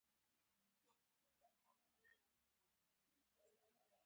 خلک فکر کاوه چې تور پوستان وړتیا نه لري.